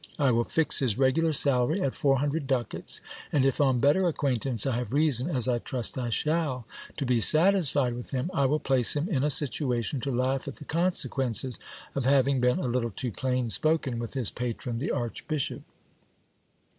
I will fix his regular salary at four hundred ducats ; and if on better acquaintance I have reason, as I trust I shall, to be satisfied with him, I will place him in a situation to laugh at the consequences of having been a little too plain spoken with his patron the archbishop.